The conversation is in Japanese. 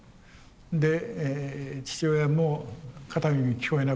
で父親も片耳聞こえなくなった。